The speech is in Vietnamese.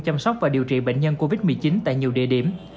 chăm sóc và điều trị bệnh nhân covid một mươi chín tại nhiều địa điểm